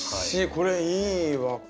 これいいわ。